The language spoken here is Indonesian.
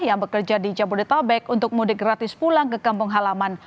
yang bekerja di jabodetabek untuk mudik gratis pulang ke kampung halaman